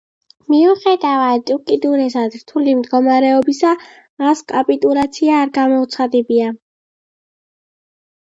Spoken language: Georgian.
მიუხედავად უკიდურესად რთული მდგომარეობისა მას კაპიტულაცია არ გამოუცხადებია.